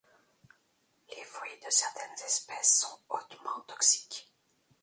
Les fruits de certaines espèces sont hautement toxiques.